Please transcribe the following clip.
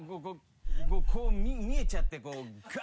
こう見えちゃってガ